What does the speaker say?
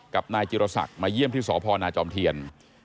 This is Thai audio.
กับนายจิรศักดิ์มาเยี่ยมที่สพนาจอมเทียน